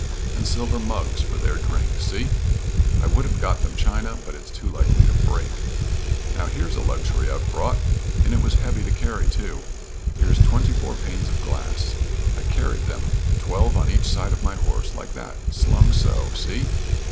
And silver mugs for their drink. See? I would have got them china but it's too likely to break. Now, here's a luxury I've brought, and it was heavy to carry, too. Here's twenty four panes of glass. I carried them, twelve on each side of my horse, like that, slung so, see?